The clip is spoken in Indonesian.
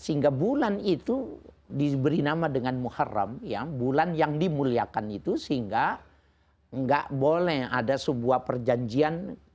sehingga bulan itu diberi nama dengan muharram bulan yang dimuliakan itu sehingga nggak boleh ada sebuah perjanjian